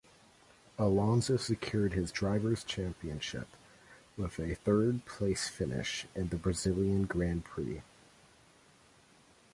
Alonso secured his Drivers' Championship with a third-place finish in the Brazilian Grand Prix.